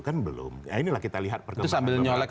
kan belum nah inilah kita lihat perkembangan